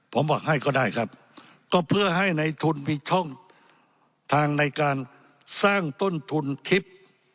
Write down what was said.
ผมบอกให้ก็ได้ครับก็เพื่อให้ในทุนมีช่องทางในการสร้างต้นทุนทิพย์